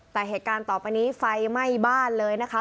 แต่เหตุการณ์ต่อไปนี้ไฟไหม้บ้านเลยนะคะ